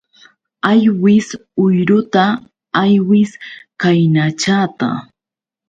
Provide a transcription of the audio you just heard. Aywis uyruta aywis kaynachata.